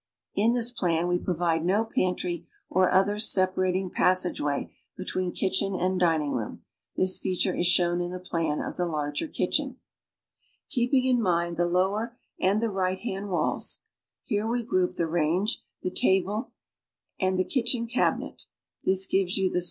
(In this plan we provide no pantry or other separat ing passageway between kitchen and dining " room. This feature is shown in the plan of the larger kitchen.) Keeping in mind the lower and the right hand walls, here we group the range, the table, and the givesyouthestorage place ows. In the lower PLAj^ (S) kitchen cabinet.